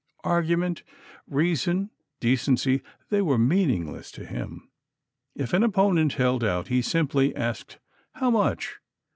Argument, reason, decency they were meaningless to him. If an opponent held out, he simply asked, "How much?"